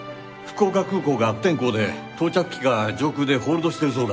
福岡空港が悪天候で到着機が上空でホールドしてるそうだ。